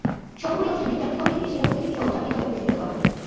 সমাপনী অনুষ্ঠানে প্রতিটি কমিটি থেকে সেরা প্রতিনিধিসহ চারটি ধাপে পুরস্কৃত করা হয়।